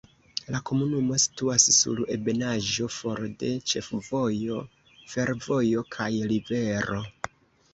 La komunumo situas sur ebenaĵo, for de ĉefvojo, fervojo kaj rivero.